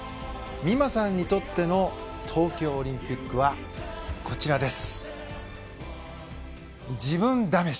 美誠さんにとっての東京オリンピックはこちらです。